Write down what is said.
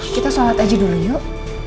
kita sholat aja dulu yuk